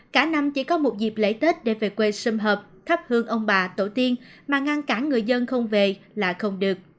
cả năm chỉ có một dịp lễ tết để về quê xung hợp thắp hương ông bà tổ tiên mà ngăn cả người dân không về là không được